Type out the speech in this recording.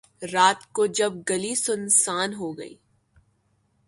رات کو جب گلی سنسان ہو گئی